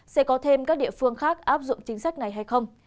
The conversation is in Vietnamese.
sẽ có thêm các địa phương khác áp dụng chính sách này hay không